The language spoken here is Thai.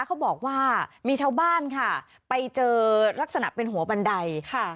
เขาบอกว่ามีชาวบ้านค่ะไปเจอลักษณะเป็นหัวบันไดค่ะ